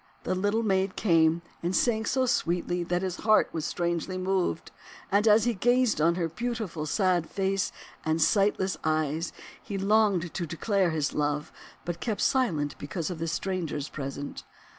The Little Maid came, and sang so sweetly that his heart was strangely moved. And as he gazed on her beautiful, sad face and sightless eyes, he longed to declare his love, but kept silent because of the strangers present.